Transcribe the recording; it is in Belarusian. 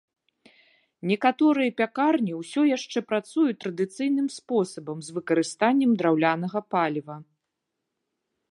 Некаторыя пякарні ўсё яшчэ працуюць традыцыйным спосабам з выкарыстаннем драўнянага паліва.